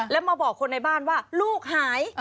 แล้วมาบอกคนในบ้านว่าลูกหาย